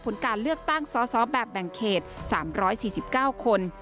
ผลการเลือกตั้งสอแบบแบ่งเขต๓๔๙คน